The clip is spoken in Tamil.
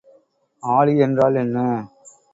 ஆளி என்றால் என்ன?